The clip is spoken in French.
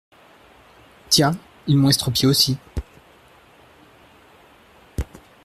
Tiens ! ils m’ont estropié aussi.